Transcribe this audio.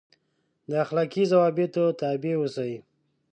دا اخلاقي ضوابطو تابع اوسي.